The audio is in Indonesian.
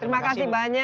terima kasih bu